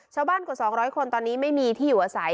กว่า๒๐๐คนตอนนี้ไม่มีที่อยู่อาศัย